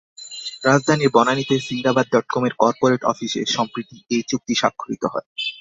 রাজধানীর বনানীতে সিন্দাবাদ ডটকমের করপোরেট অফিসে সম্প্রতি এ চুক্তি স্বাক্ষরিত হয়।